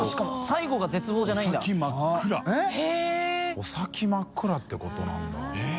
お先真っ暗ってことなんだえっ？